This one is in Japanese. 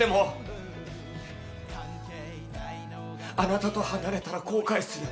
あなたと離れたら後悔する。